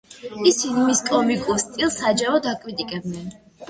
ისინი მის კომიკურ სტილს საჯაროდ აკრიტიკებდნენ.